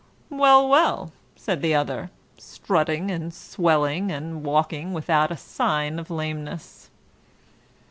"Well, well," said the other, strutting and swelling, and walking without a sign of lameness.